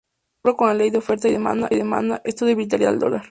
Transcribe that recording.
De acuerdo con la ley de oferta y demanda esto debilitaría al dólar.